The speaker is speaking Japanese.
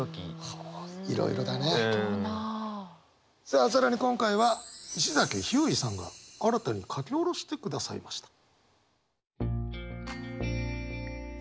さあ更に今回は石崎ひゅーいさんが新たに書き下ろしてくださいました。